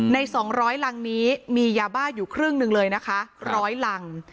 ๒๐๐รังนี้มียาบ้าอยู่ครึ่งหนึ่งเลยนะคะร้อยรัง